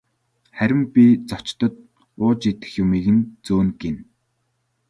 Харин би зочдод ууж идэх юмыг нь зөөнө гэнэ.